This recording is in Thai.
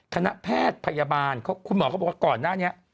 คณะแพทย์พยาบาลคุณหมอเขาบอกว่าก่อนหน้านี้